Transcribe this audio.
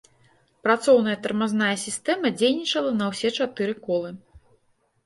Працоўная тармазная сістэма дзейнічала на ўсе чатыры колы.